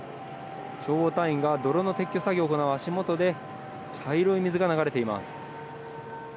消防隊員が泥の撤去作業の足元で茶色い水が流れています。